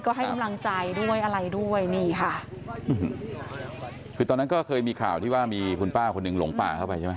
ก็ให้กำลังใจด้วยอะไรด้วยนี่ค่ะคือตอนนั้นก็เคยมีข่าวที่ว่ามีคุณป้าคนหนึ่งหลงป่าเข้าไปใช่ไหม